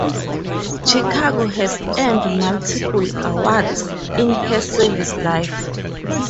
"Chicago" has earned multiple awards in her service life.